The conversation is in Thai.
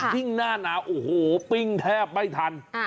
หน้าหนาวโอ้โหปิ้งแทบไม่ทัน